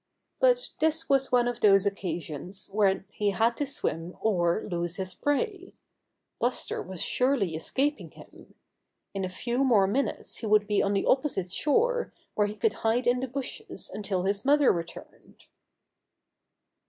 But this was one of those occasions when he had to swim or lose his prey. Buster was surely escaping him. In a few more minutes he would be on the opposite shore where he could hide in the bushes until his mother returned.